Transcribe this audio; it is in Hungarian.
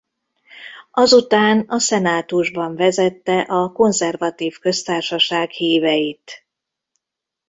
Azután a szenátusban vezette a konzervatív köztársaság híveit.